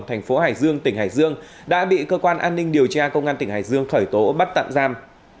thành phố hải dương tỉnh hải dương đã bị cơ quan an ninh điều tra công an tỉnh hải dương khởi tố bắt tạm giam